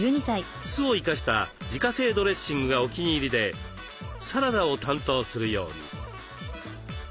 酢を生かした自家製ドレッシングがお気に入りでサラダを担当するように。